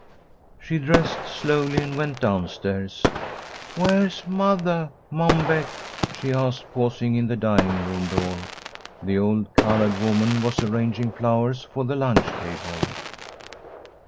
She dressed slowly and went down stairs. "Where's mothah, Mom Beck?" she asked, pausing in the dining room door. The old coloured woman was arranging flowers for the lunch table.